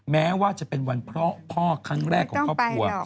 แม้ว่าจะเป็นวันเพราะพ่อครั้งแรกของครอบครัว